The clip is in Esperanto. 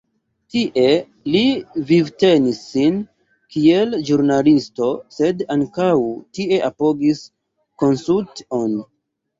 Tie li vivtenis sin, kiel ĵurnalisto, sed ankaŭ tie apogis Kossuth-on.